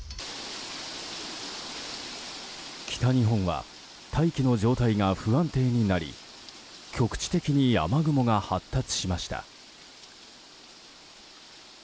北日本は大気の状態が不安定になり局地的に雨雲が発達しました。